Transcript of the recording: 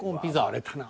割れたな。